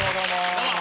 どうも。